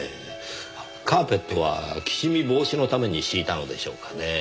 カーペットはきしみ防止のために敷いたのでしょうかね？